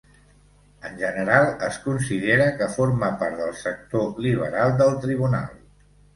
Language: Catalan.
En general, es considera que forma part del sector liberal del tribunal.